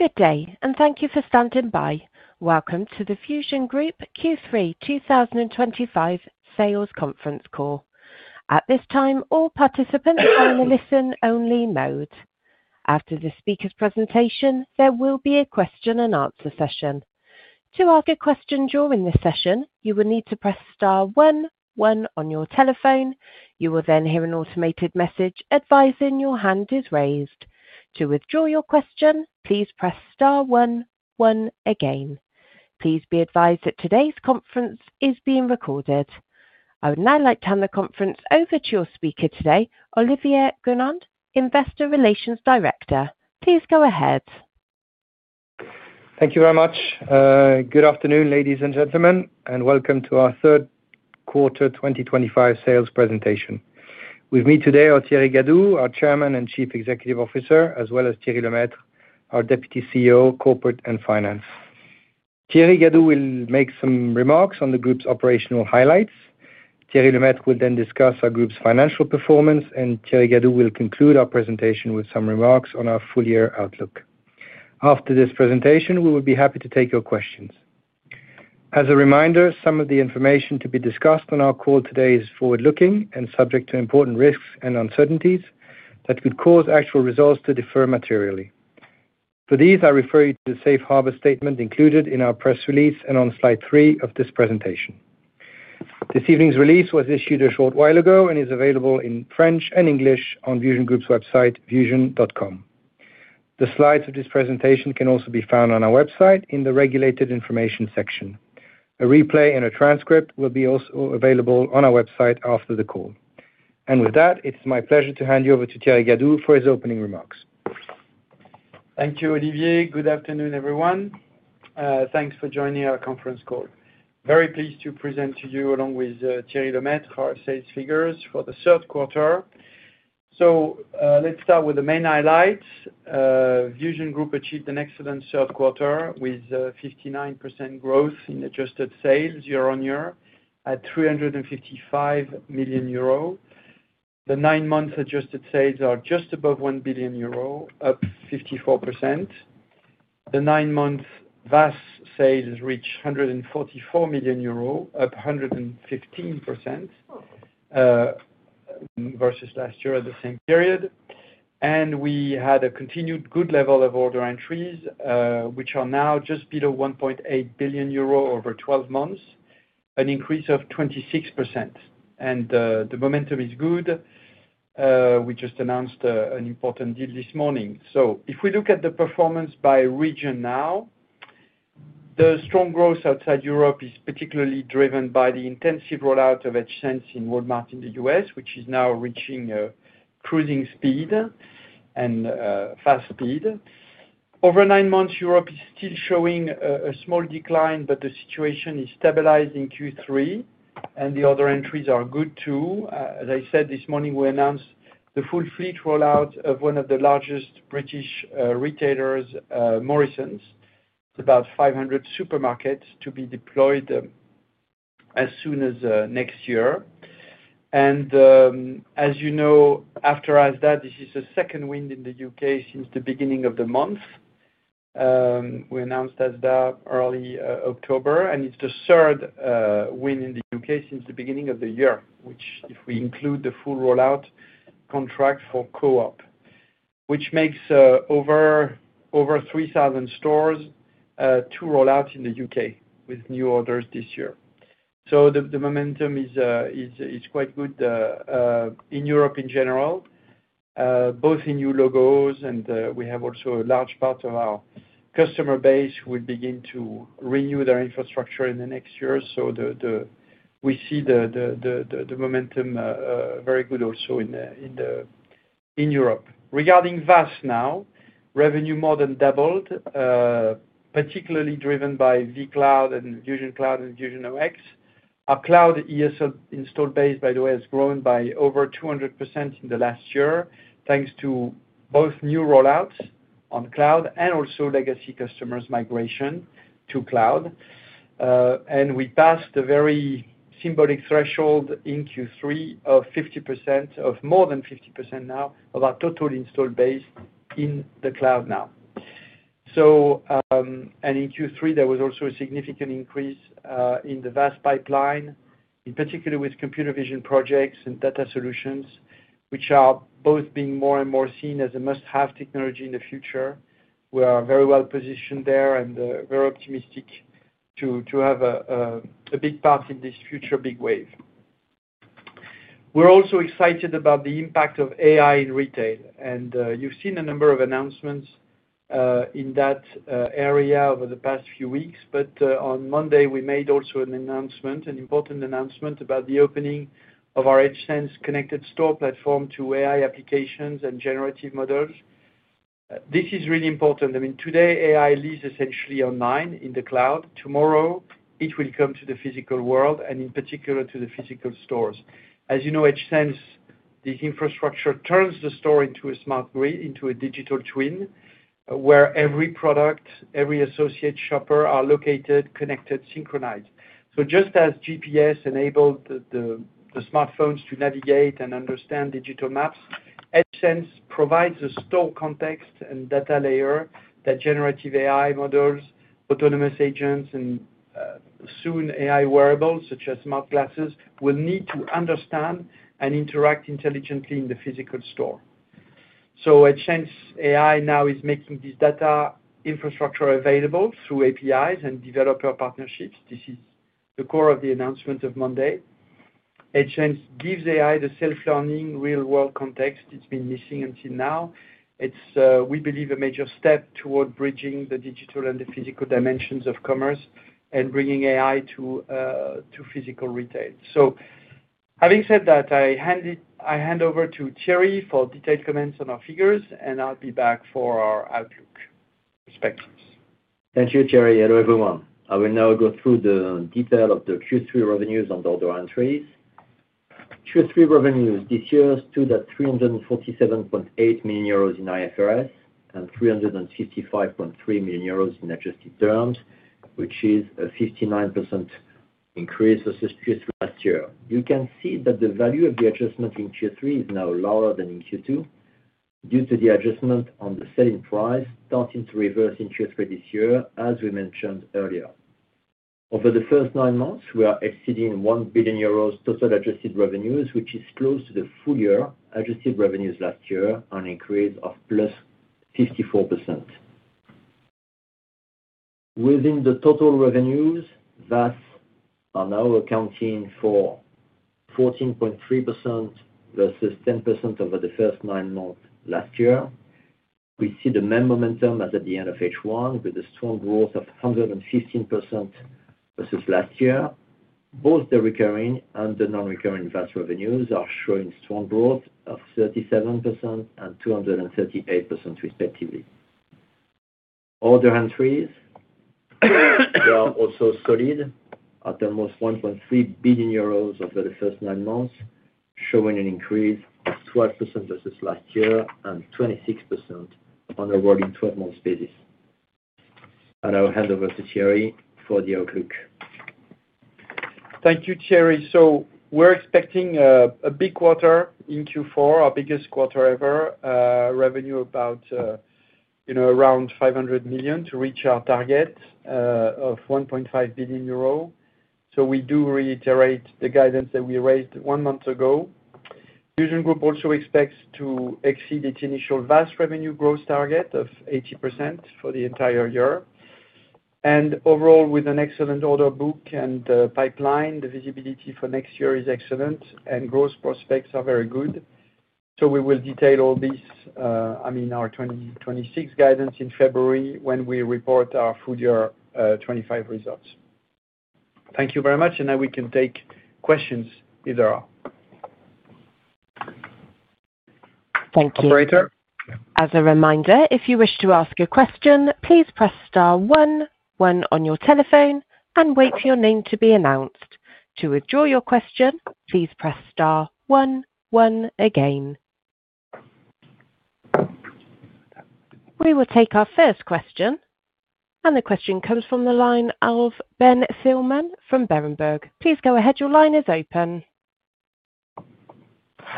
Good day, and thank you for standing by. Welcome to the VusionGroup Q3 2025 sales conference call. At this time, all participants are in the listen-only mode. After the speaker's presentation, there will be a question-and answer session. To ask a question during this session, you will need to press star one one on your telephone. You will then hear an automated message advising your hand is raised. To withdraw your question, please press star one, one again. Please be advised that today's conference is being recorded. I would now like to hand the conference over to your speaker today, Olivier Gernandt, Investor Relations Director. Please go ahead. Thank you very much. Good afternoon, ladies and gentlemen, and welcome to our third quarter 2025 sales presentation. With me today are Thierry Gadou, our Chairman and Chief Executive Officer, as well as Thierry Lemaitre, our Deputy CEO, Corporate and Finance. Thierry Gadou will make some remarks on the group's operational highlights. Thierry Lemaitre will then discuss our group's financial performance. Thierry Gadou will conclude our presentation with some remarks on our full-year outlook. After this presentation, we will be happy to take your questions. As a reminder, some of the information to be discussed on our call today is forward-looking and subject to important risks and uncertainties that could cause actual results to differ materially. For these, I refer you to the safe harbor statement included in our press release and on slide three of this presentation. This evening's release was issued a short while ago and is available in French and English on VusionGroup's website, vusion.com. The slides of this presentation can also be found on our website in the regulated information section. A replay and a transcript will also be available on our website after the call. It is my pleasure to hand you over to Thierry Gadou for his opening remarks. Thank you, Olivier. Good afternoon, everyone. Thanks for joining our conference call. Very pleased to present to you, along with Thierry Lemaitre, our sales figures for the third quarter. Let's start with the main highlights. VusionGroup achieved an excellent third quarter with a 59% growth in adjusted sales year on year at 355 million euro. The nine months' adjusted sales are just above 1 billion euro, up 54%. The nine months' VAS sales reached 144 million euro, up 115% versus last year at the same period. We had a continued good level of order entries, which are now just below 1.8 billion euro over 12 months, an increase of 26%. The momentum is good. We just announced an important deal this morning. If we look at the performance by region now, the strong growth outside Europe is particularly driven by the intensive rollout of Echsence in Walmart in the U.S., which is now reaching a cruising speed and fast speed. Over nine months, Europe is still showing a small decline, but the situation is stabilized in Q3, and the order entries are good too. As I said this morning, we announced the full fleet rollout of one of the largest British retailers, Morrisons. It's about 500 supermarkets to be deployed as soon as next year. As you know, after Asda, this is the second win in the U.K. since the beginning of the month. We announced Asda early October, and it's the third win in the U.K. since the beginning of the year, if we include the full rollout contract for Co-op, which makes over 3,000 stores, two rollouts in the U.K. with new orders this year. The momentum is quite good in Europe in general, both in new logos. We have also a large part of our customer base who will begin to renew their infrastructure in the next year. We see the momentum very good also in Europe. Regarding VAS now, revenue more than doubled, particularly driven by vCloud and FusionCloud and FusionOS. Our cloud ESL installed base, by the way, has grown by over 200% in the last year, thanks to both new rollouts on cloud and also legacy customers' migration to cloud. We passed the very symbolic threshold in Q3 of 50%, of more than 50% now of our total installed base in the cloud now. In Q3, there was also a significant increase in the VAS pipeline, in particular with computer vision projects and data solutions, which are both being more and more seen as a must-have technology in the future. We are very well positioned there and very optimistic to have a big part in this future big wave. We are also excited about the impact of AI in retail. You have seen a number of announcements in that area over the past few weeks. On Monday, we made an important announcement about the opening of our Echsence connected store platform to AI applications and generative models. This is really important. I mean, today, AI lives essentially online in the cloud. Tomorrow, it will come to the physical world and in particular to the physical stores. As you know, Echsence, the infrastructure, turns the store into a smart grid, into a digital twin, where every product, every associate, shopper, are located, connected, synchronized. Just as GPS enabled the smartphones to navigate and understand digital maps, Echsence provides a store context and data layer that generative AI models, autonomous agents, and soon AI wearables such as smart glasses will need to understand and interact intelligently in the physical store. Echsence AI now is making this data infrastructure available through APIs and developer partnerships. This is the core of the announcement of Monday. Echsence gives AI the self-learning real-world context it has been missing until now. We believe this is a major step toward bridging the digital and the physical dimensions of commerce and bringing AI to physical retail. Having said that, I hand over to Thierry for detailed comments on our figures, and I will be back for our outlook perspectives. Thank you, Thierry. Hello, everyone. I will now go through the detail of the Q3 revenues and order entries. Q3 revenues this year stood at 347.8 million euros in IFRS and 355.3 million euros in adjusted terms, which is a 59% increase versus Q3 last year. You can see that the value of the adjustment in Q3 is now lower than in Q2 due to the adjustment on the selling price starting to reverse in Q3 this year, as we mentioned earlier. Over the first nine months, we are exceeding 1 billion euros total adjusted revenues, which is close to the full year adjusted revenues last year on an increase of +54%. Within the total revenues, VAS are now accounting for 14.3% versus 10% over the first nine months last year. We see the main momentum as at the end of H1 with a strong growth of 115% versus last year. Both the recurring and the non-recurring VAS revenues are showing strong growth of 37% and 238% respectively. Order entries, they are also solid at almost 1.3 billion euros over the first nine months, showing an increase of 12% versus last year and 26% on a rolling 12-month basis. I will hand over to Thierry for the outlook. Thank you, Thierry. We're expecting a big quarter in Q4, our biggest quarter ever, revenue at around 500 million to reach our target of 1.5 billion euro. We do reiterate the guidance that we raised one month ago. VusionGroup also expects to exceed its initial VAS revenue growth target of 80% for the entire year. Overall, with an excellent order book and pipeline, the visibility for next year is excellent and growth prospects are very good. We will detail all this, our 2026 guidance, in February when we report our full year 2025 results. Thank you very much. Now we can take questions, if there are. Thank you. Operator? As a reminder, if you wish to ask a question, please press star one, one on your telephone and wait for your name to be announced. To withdraw your question, please press star one, one again. We will take our first question. The question comes from the line of Ben Thielmann from Berenberg. Please go ahead. Your line is open.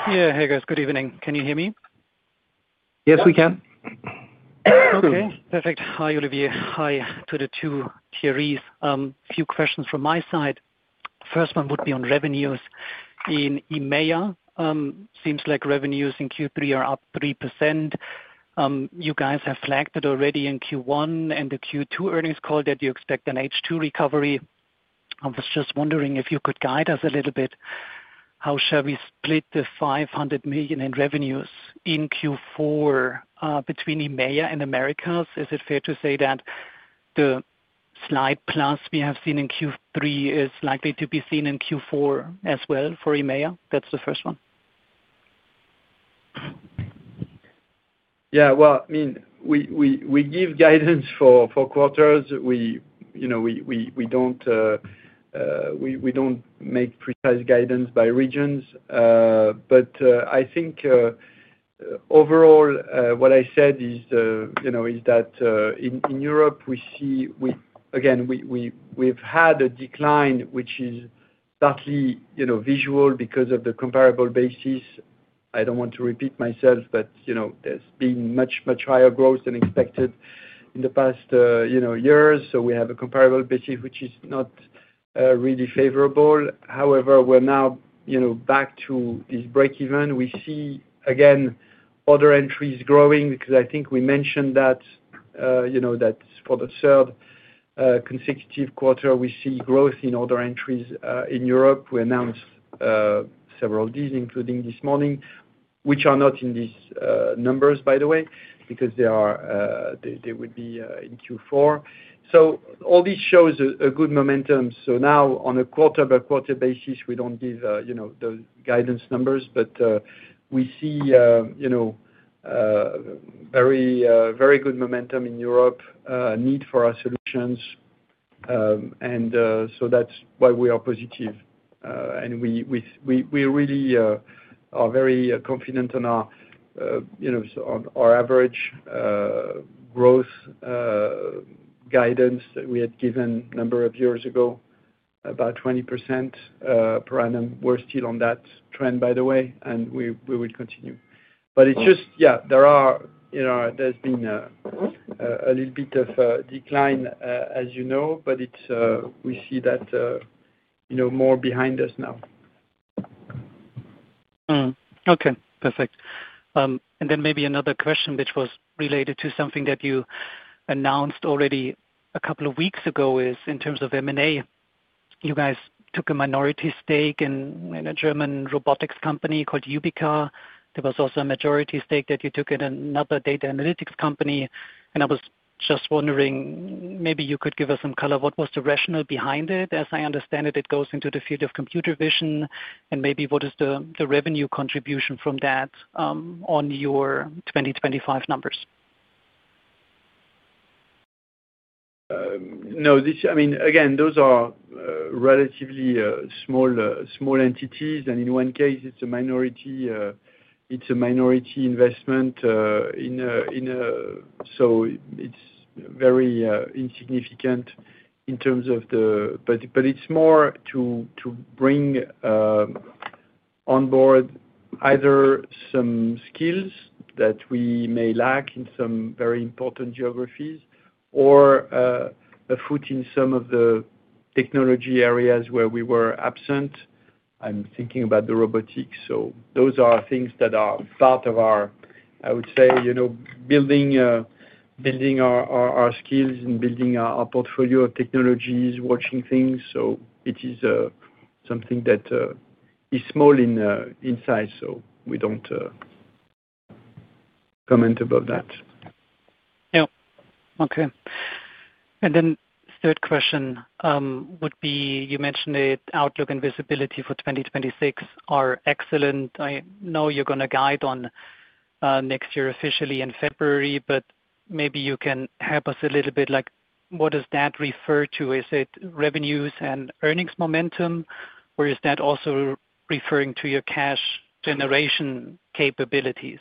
Yeah. Hey, guys. Good evening. Can you hear me? Yes, we can. Okay. Perfect. Hi, Olivier. Hi. To the two Thierrys, a few questions from my side. The first one would be on revenues in EMEA. It seems like revenues in Q3 are up 3%. You guys have flagged it already in Q1 and the Q2 earnings call that you expect an H2 recovery. I was just wondering if you could guide us a little bit. How shall we split the 500 million in revenues in Q4 between EMEA and Americas? Is it fair to say that the slight plus we have seen in Q3 is likely to be seen in Q4 as well for EMEA? That's the first one. Yeah. I mean, we give guidance for quarters. We don't make precise guidance by regions. I think overall, what I said is that in Europe, we see, again, we've had a decline which is partly visual because of the comparable basis. I don't want to repeat myself, but there's been much, much higher growth than expected in the past years. We have a comparable basis which is not really favorable. However, we're now back to this breakeven. We see again order entries growing because I think we mentioned that for the third consecutive quarter, we see growth in order entries in Europe. We announced several of these, including this morning, which are not in these numbers, by the way, because they would be in Q4. All this shows a good momentum. On a quarter-by-quarter basis, we don't give those guidance numbers, but we see very good momentum in Europe, a need for our solutions. That's why we are positive. We really are very confident on our average growth guidance that we had given a number of years ago, about 20% per annum. We're still on that trend, by the way, and we will continue. There's been a little bit of a decline, as you know, but we see that more behind us now. Okay. Perfect. Maybe another question which was related to something that you announced already a couple of weeks ago is in terms of M&A. You guys took a minority stake in a German robotics company called Ubica. There was also a majority stake that you took in another data analytics company. I was just wondering, maybe you could give us some color. What was the rationale behind it? As I understand it, it goes into the field of computer vision. Maybe what is the revenue contribution from that on your 2025 numbers? No, I mean, again, those are relatively small entities. In one case, it's a minority investment. It's very insignificant in terms of the, but it's more to bring on board either some skills that we may lack in some very important geographies or a foot in some of the technology areas where we were absent. I'm thinking about the robotics. Those are things that are part of our, I would say, building our skills and building our portfolio of technologies, watching things. It is something that is small in size, so we don't comment about that. Okay. The third question would be, you mentioned the outlook and visibility for 2026 are excellent. I know you're going to guide on next year officially in February, but maybe you can help us a little bit. What does that refer to? Is it revenues and earnings momentum, or is that also referring to your cash generation capabilities?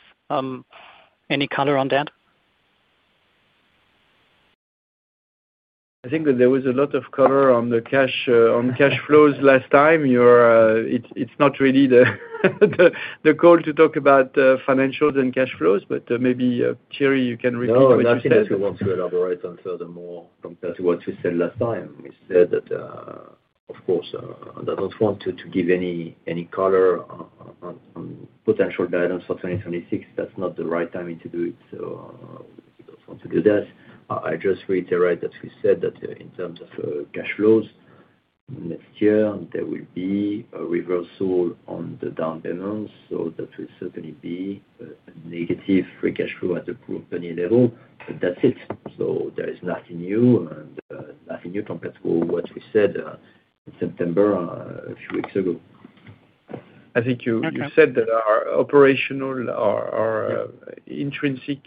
Any color on that? I think that there was a lot of color on the cash flows last time. It's not really the call to talk about financials and cash flows, but maybe, Thierry, you can repeat what you said. I think that's what I want to elaborate on furthermore compared to what we said last time. We said that, of course, I don't want to give any color on potential guidance for 2026. That's not the right time to do it. We don't want to do that. I just reiterate that we said that in terms of cash flows, next year, there will be a reversal on the down payments. That will certainly be a negative free cash flow at the company level. That's it. There is nothing new and nothing new compared to what we said in September a few weeks ago. I think you said that our operational, our intrinsic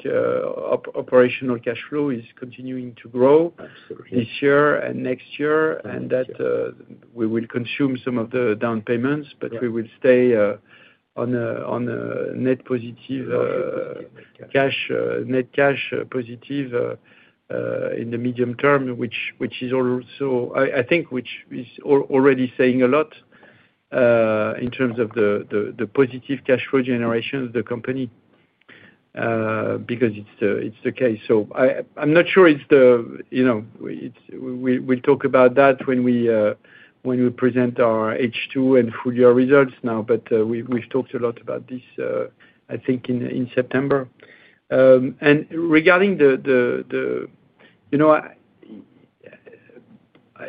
operational cash flow is continuing to grow. Absolutely. This year and next year, and that we will consume some of the down payments, but we will stay on a net positive cash, net cash positive in the medium term, which is also, I think, which is already saying a lot in terms of the positive cash flow generation of the company because it's the case. I'm not sure it's the, you know, we'll talk about that when we present our H2 and full-year results now. We've talked a lot about this, I think, in September. Regarding the, you know,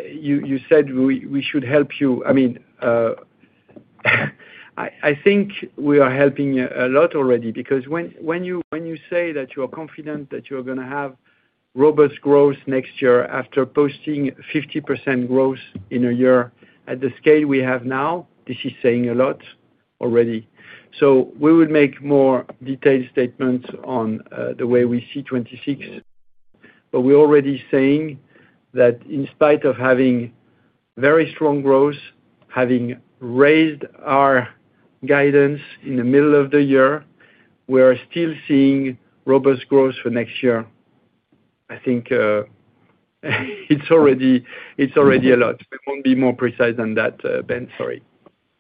you said we should help you. I mean, I think we are helping a lot already because when you say that you are confident that you are going to have robust growth next year after posting 50% growth in a year at the scale we have now, this is saying a lot already. We will make more detailed statements on the way we see 2026. We're already saying that in spite of having very strong growth, having raised our guidance in the middle of the year, we are still seeing robust growth for next year. I think it's already a lot. I won't be more precise than that. Ben, sorry.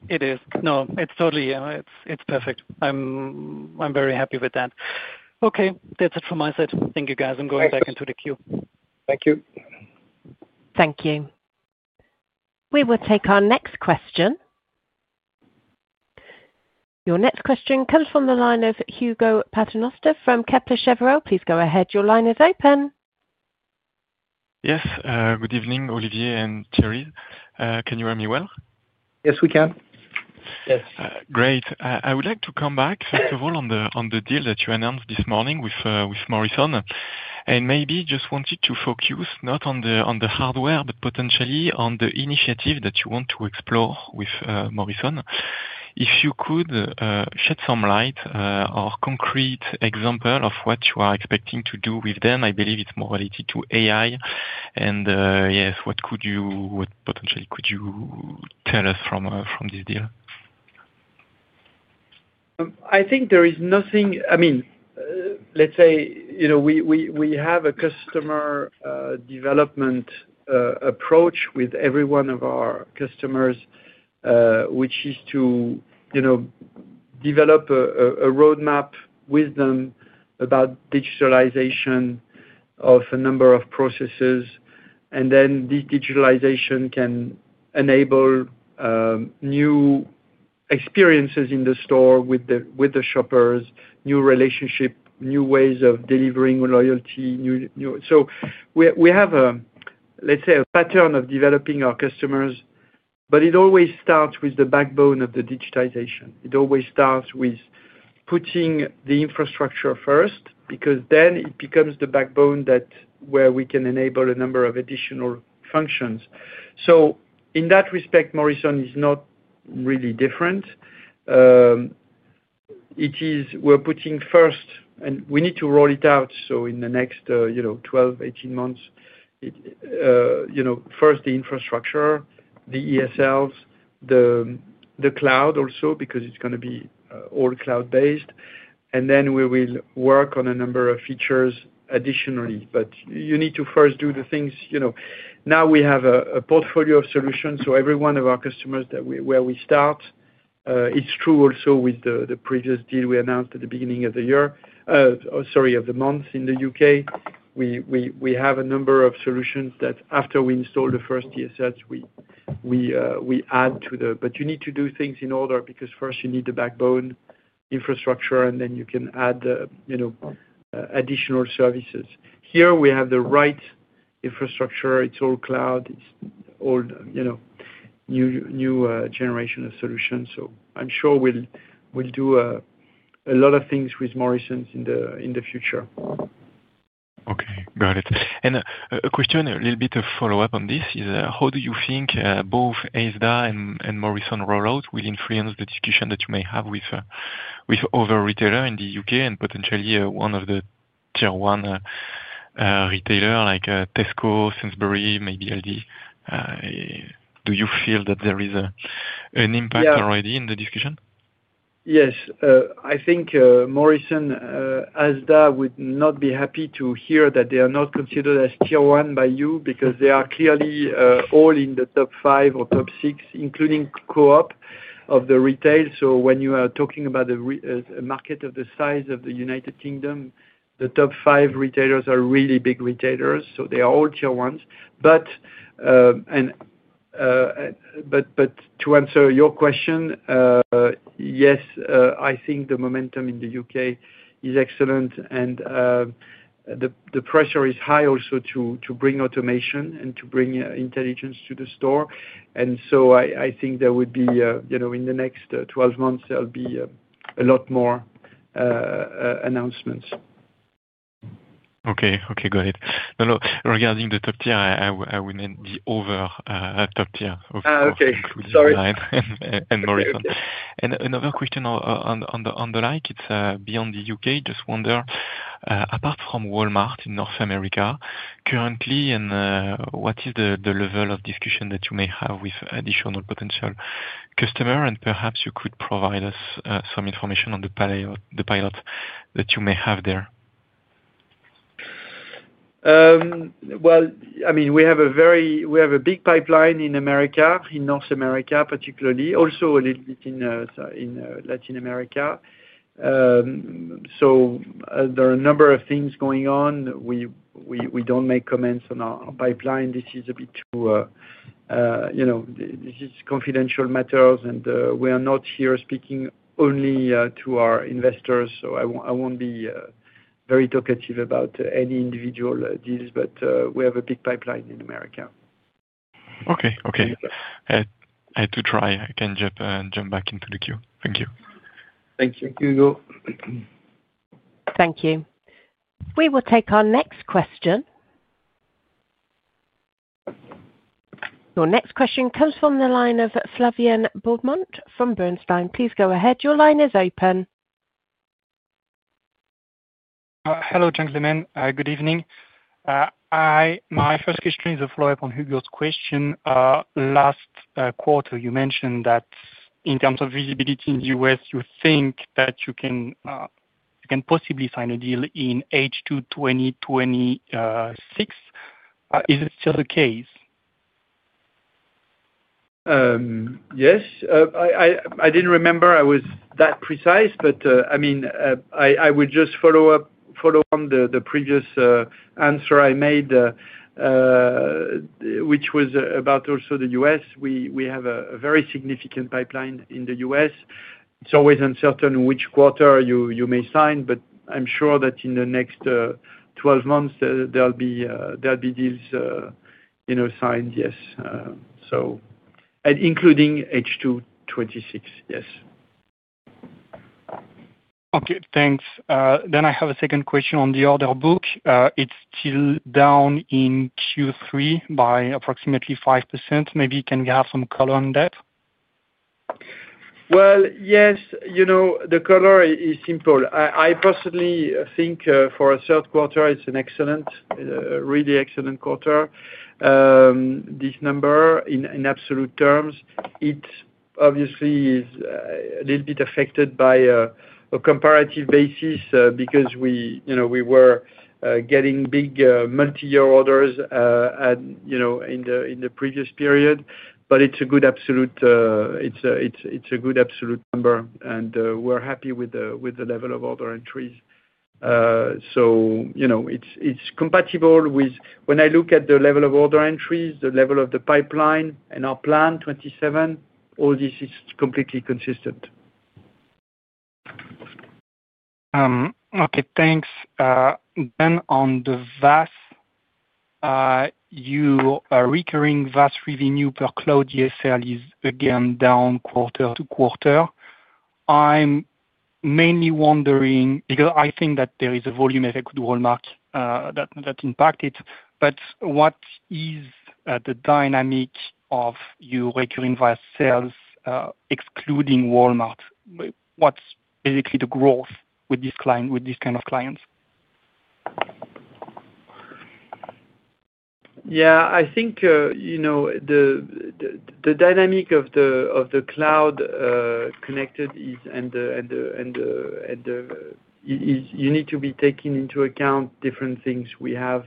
It is. No, it's totally, yeah, it's perfect. I'm very happy with that. Okay, that's it from my side. Thank you, guys. I'm going back into the queue. Thank you. Thank you. We will take our next question. Your next question comes from the line of Hugo Paternoster from. Please go ahead. Your line is open. Yes. Good evening, Olivier and Thierry. Can you hear me well? Yes, we can. Yes. Great. I would like to come back, first of all, on the deal that you announced this morning with Morrisons. I just wanted to focus not on the hardware, but potentially on the initiative that you want to explore with Morrisons. If you could shed some light or a concrete example of what you are expecting to do with them, I believe it's more related to AI. What could you, what potentially could you tell us from this deal? I think there is nothing, I mean, let's say, you know, we have a customer development approach with every one of our customers, which is to, you know, develop a roadmap with them about digitalization of a number of processes. This digitalization can enable new experiences in the store with the shoppers, new relationships, new ways of delivering loyalty. We have a, let's say, a pattern of developing our customers, but it always starts with the backbone of the digitization. It always starts with putting the infrastructure first because then it becomes the backbone where we can enable a number of additional functions. In that respect, Morrisons is not really different. We're putting first, and we need to roll it out. In the next 12, 18 months, first the infrastructure, the ESLs, the cloud also because it's going to be all cloud-based. We will work on a number of features additionally. You need to first do the things. Now we have a portfolio of solutions. Every one of our customers that we start, it's true also with the previous deal we announced at the beginning of the year, sorry, of the month in the U.K. We have a number of solutions that after we install the first ESLs, we add to the, but you need to do things in order because first you need the backbone infrastructure, and then you can add, you know, additional services. Here, we have the right infrastructure. It's all cloud. It's all, you know, new generation of solutions. I'm sure we'll do a lot of things with Morrisons in the future. Okay. Got it. A question, a little bit of follow-up on this is how do you think both Asda and Morrisons rollout will influence the discussion that you may have with other retailers in the U.K. and potentially one of the tier one retailers like Tesco, Sainsbury’s, maybe Aldi? Do you feel that there is an impact already in the discussion? Yes. I think Morrisons, Asda would not be happy to hear that they are not considered as tier one by you because they are clearly all in the top five or top six, including Co-op, of the retail. When you are talking about a market of the size of the United Kingdom, the top five retailers are really big retailers. They are all tier ones. To answer your question, yes, I think the momentum in the U.K. is excellent. The pressure is high also to bring automation and to bring intelligence to the store. I think there would be, you know, in the next 12 months, there'll be a lot more announcements. Okay. Got it. No, regarding the top tier, I wouldn't be over a top tier of. Okay. Sorry. Morrison. Another question on the like. It's beyond the U.K. I just wonder, apart from Walmart in North America currently, what is the lev.el of discussion that you may have with additional potential customers? Perhaps you could provide us some information on the pilot that you may have there. We have a very, we have a big pipeline in America, in North America particularly, also a little bit in Latin America. There are a number of things going on. We don't make comments on our pipeline. This is a bit too, you know, this is confidential matters, and we are not here speaking only to our investors. I won't be very talkative about any individual deals, but we have a big pipeline in America. Okay. I had to try again, jump back into the queue. Thank you. Thank you, Hugo. Thank you. We will take our next question. Your next question comes from the line of Flavien Baudemont from Bernstein. Please go ahead. Your line is open. Hello, gentlemen. Good evening. My first question is a follow-up on Hugo's question. Last quarter, you mentioned that in terms of visibility in the U.S., you think that you can possibly sign a deal in H2 2026. Is it still the case? Yes, I didn't remember I was that precise, but I mean, I would just follow up on the previous answer I made, which was about also the U.S. We have a very significant pipeline in the U.S. It's always uncertain which quarter you may sign, but I'm sure that in the next 12 months, there'll be deals signed, yes, including H2 2026, yes. Okay. Thanks. I have a second question on the order book. It's still down in Q3 by approximately 5%. Maybe can we have some color on that? You know, the color is simple. I personally think for a third quarter, it's an excellent, really excellent quarter. This number in absolute terms, it obviously is a little bit affected by a comparative basis because we were getting big multi-year orders in the previous period. It's a good absolute number, and we're happy with the level of order entries. You know, it's compatible with when I look at the level of order entries, the level of the pipeline, and our plan 27, all this is completely consistent. Okay. Thanks. On the value-added services, your recurring VAS revenue per cloud ESL is again down quarter to quarter. I'm mainly wondering because I think that there is a volume effect with Walmart that impacted it. What is the dynamic of your recurring VAS sales excluding Walmart? What's basically the growth with this client, with this kind of clients? Yeah. I think the dynamic of the cloud connected is, and you need to be taking into account different things. We have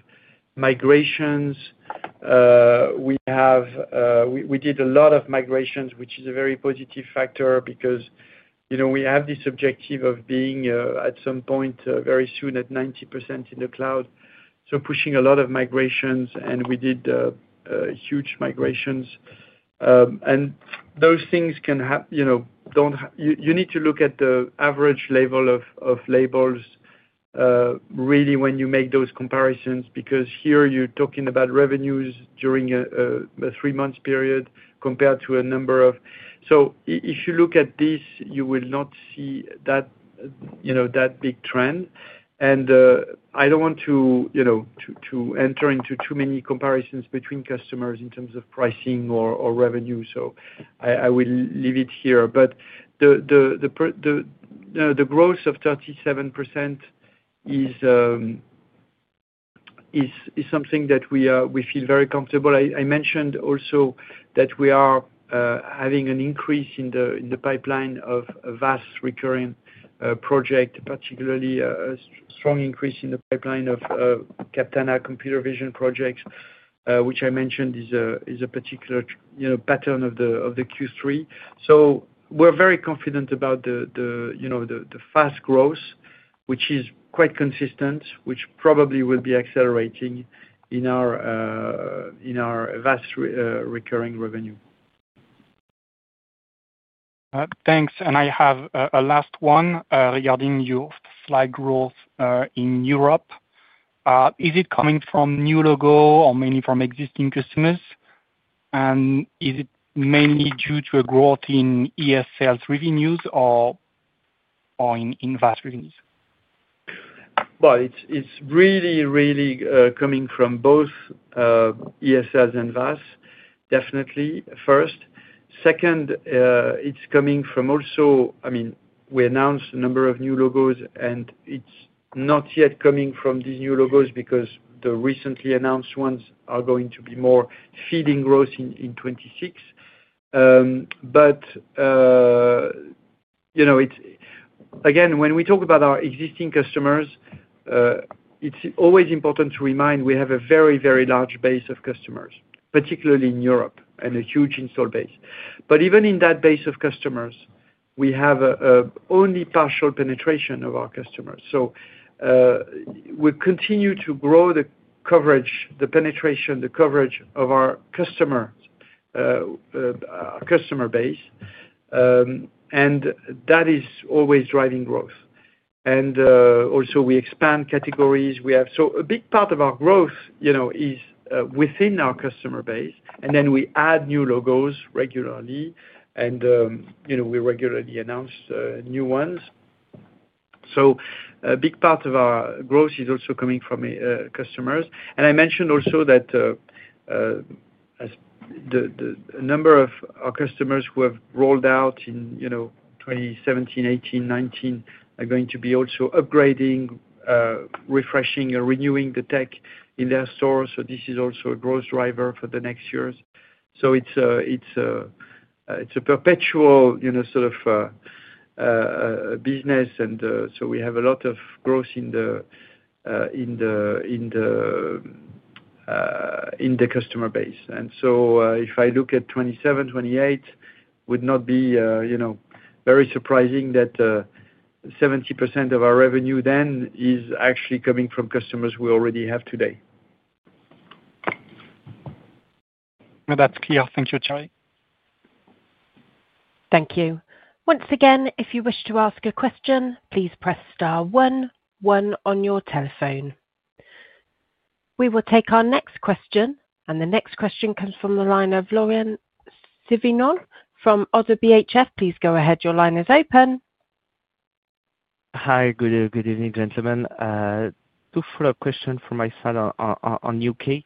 migrations. We did a lot of migrations, which is a very positive factor because we have this objective of being at some point very soon at 90% in the cloud. Pushing a lot of migrations, and we did huge migrations. Those things can happen. You need to look at the average level of labels, really, when you make those comparisons because here you're talking about revenues during a three-month period compared to a number of. If you look at this, you will not see that big trend. I don't want to enter into too many comparisons between customers in terms of pricing or revenue. I will leave it here. The growth of 37% is something that we feel very comfortable. I mentioned also that we are having an increase in the pipeline of VAS recurring projects, particularly a strong increase in the pipeline of Captana computer vision projects, which I mentioned is a particular pattern of the Q3. We're very confident about the fast growth, which is quite consistent, which probably will be accelerating in our VAS recurring revenue. Thanks. I have a last one regarding your flag growth in Europe. Is it coming from new logo or mainly from existing customers? Is it mainly due to a growth in ESL revenues or in VAS revenues? It's really, really coming from both ESLs and VAS, definitely, first. Second, it's coming from also, I mean, we announced a number of new logos, and it's not yet coming from these new logos because the recently announced ones are going to be more feeding growth in 2026. You know, again, when we talk about our existing customers, it's always important to remind we have a very, very large base of customers, particularly in Europe, and a huge install base. Even in that base of customers, we have only partial penetration of our customers. We continue to grow the coverage, the penetration, the coverage of our customer base. That is always driving growth. We expand categories. A big part of our growth, you know, is within our customer base. We add new logos regularly, and you know, we regularly announce new ones. A big part of our growth is also coming from customers. I mentioned also that a number of our customers who have rolled out in 2017, 2018, 2019 are going to be also upgrading, refreshing, and renewing the tech in their stores. This is also a growth driver for the next years. It is a perpetual sort of business. We have a lot of growth in the customer base. If I look at 2027, 2028, it would not be very surprising that 70% of our revenue then is actually coming from customers we already have today. That's clear. Thank you, Thierry. Thank you. Once again, if you wish to ask a question, please press star one, one on your telephone. We will take our next question. The next question comes from the line of Laurent Sivignon from ODDO BHF. Please go ahead. Your line is open. Hi. Good evening, gentlemen. Two follow-up questions from my side on the U.K.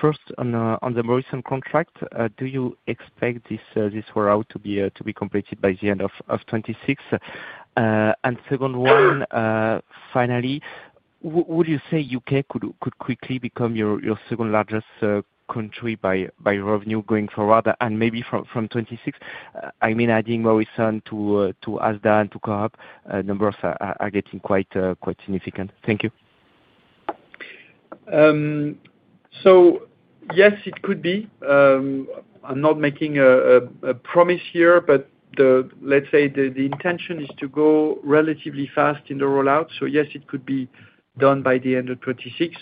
First, on the Morrisons contract, do you expect this rollout to be completed by the end of 2026? The second one, finally, would you say the U.K. could quickly become your second largest country by revenue going forward? Maybe from 2026, I mean, adding Morrisons to Asda and to Co-op, the numbers are getting quite significant. Thank you. Yes, it could be. I'm not making a promise here, but let's say the intention is to go relatively fast in the rollout. Yes, it could be done by the end of 2026.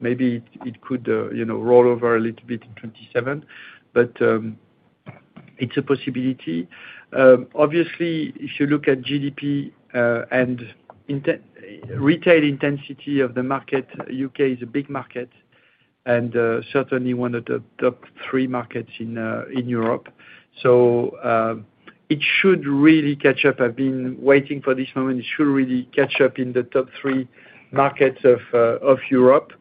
Maybe it could roll over a little bit in 2027, but it's a possibility. Obviously, if you look at GDP and retail intensity of the market, the U.K. is a big market and certainly one of the top three markets in Europe. It should really catch up. I've been waiting for this moment. It should really catch up in the top three markets of Europe.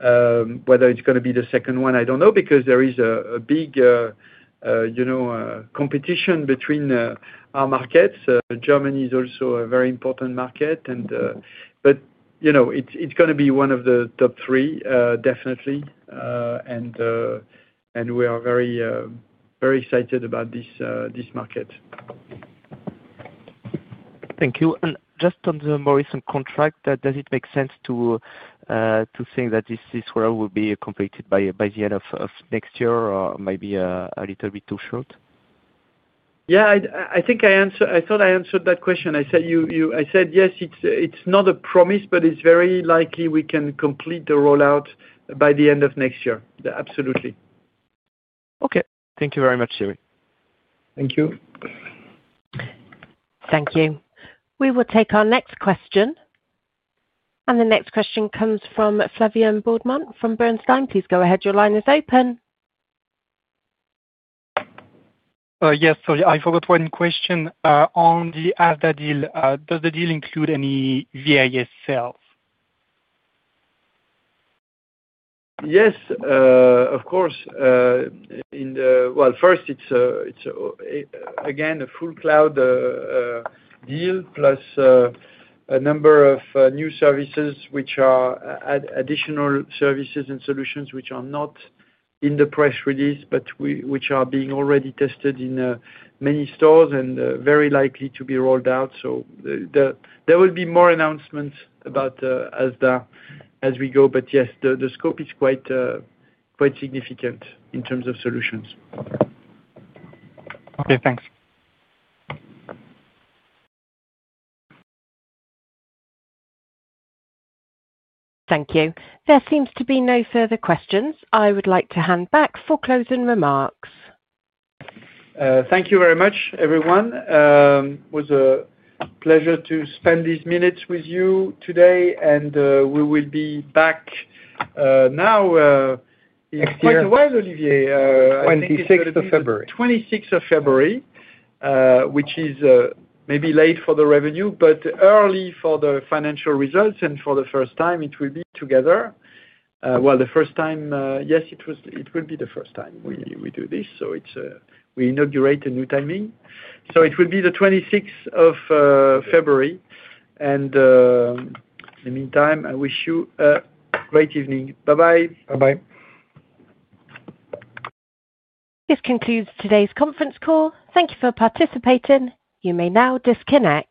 Whether it's going to be the second one, I don't know because there is big competition between our markets. Germany is also a very important market. You know, it's going to be one of the top three, definitely. We are very, very excited about this market. Thank you. Just on the Morrisons contract, does it make sense to think that this rollout will be completed by the end of next year or maybe a little bit too short? I think I answered, I thought I answered that question. I said, yes, it's not a promise, but it's very likely we can complete the rollout by the end of next year. Absolutely. Okay. Thank you very much, Thierry. Thank you. Thank you. We will take our next question. The next question comes from Flavien Baudemont from Bernstein. Please go ahead. Your line is open. Yes, sorry. I forgot one question. On the Asda deal, does the deal include any VAS sales? Yes, of course. First, it's again, a full cloud deal plus a number of new services, which are additional services and solutions which are not in the press release, but which are being already tested in many stores and very likely to be rolled out. There will be more announcements about Asda as we go. Yes, the scope is quite significant in terms of solutions. Okay. Thanks. Thank you. There seems to be no further questions. I would like to hand back for closing remarks. Thank you very much, everyone. It was a pleasure to spend these minutes with you today. We will be back now in quite a while, Olivier. 26th of February. February 26th, which is maybe late for the revenue, but early for the financial results. For the first time, it will be together. Yes, it will be the first time we do this. We inaugurate a new timing. It will be February 26th. In the meantime, I wish you a great evening. Bye-bye. Bye-bye. This concludes today's conference call. Thank you for participating. You may now disconnect.